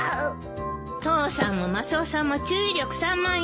父さんもマスオさんも注意力散漫よ。